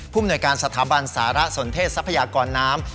มนวยการสถาบันสารสนเทศทรัพยากรน้ำ